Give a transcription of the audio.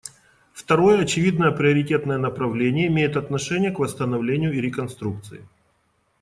Второе очевидное приоритетное направление имеет отношение к восстановлению и реконструкции.